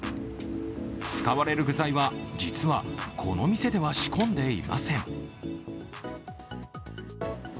使われる具材は、実はこの店では仕込んでいません。